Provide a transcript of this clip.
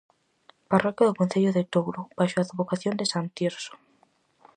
Parroquia do concello de Touro baixo a advocación de san Tirso.